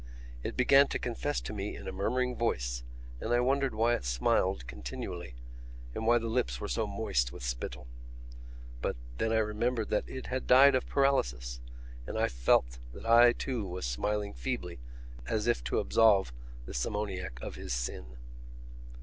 It began to confess to me in a murmuring voice and I wondered why it smiled continually and why the lips were so moist with spittle. But then I remembered that it had died of paralysis and I felt that I too was smiling feebly as if to absolve the simoniac of his sin.